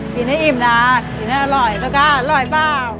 กินให้อิ่มนะกินอร่อยโต๊ะก๊าอร่อยเปล่า